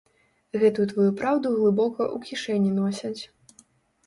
Гэтую тваю праўду глыбока ў кішэні носяць.